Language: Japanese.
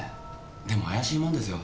でも怪しいもんですよ。